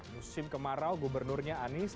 musim kemarau gubernurnya anies